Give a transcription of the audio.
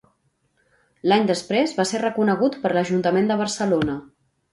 L'any després va ser reconegut per l'Ajuntament de Barcelona.